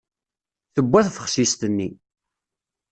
Tewwa tbexsist-nni.